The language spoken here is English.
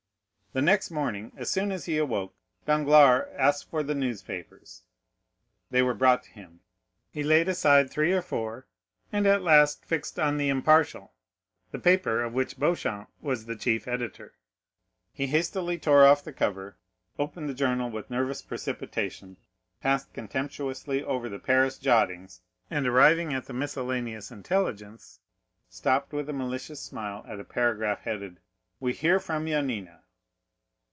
The next morning, as soon as he awoke, Danglars asked for the newspapers; they were brought to him; he laid aside three or four, and at last fixed on l'Impartial, the paper of which Beauchamp was the chief editor. He hastily tore off the cover, opened the journal with nervous precipitation, passed contemptuously over the Paris jottings, and arriving at the miscellaneous intelligence, stopped with a malicious smile, at a paragraph headed _We hear from Yanina.